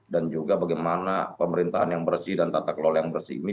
dan juga bagaimana pemerintahan yang bersih dan tata kelola yang bersih ini